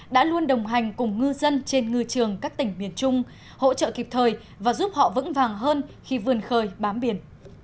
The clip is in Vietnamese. đã luôn đồng hành cùng ngư dân trên ngư trường các tỉnh miền trung hỗ trợ kịp thời và giúp họ vững vàng hơn khi vươn khơi bám biển